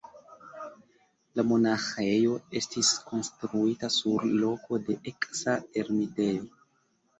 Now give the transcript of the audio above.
La monaĥejo estis konstruita sur loko de eksa ermitejo.